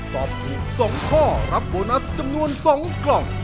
ตอบถูก๒ข้อรับโบนัสจำนวน๒กล่อง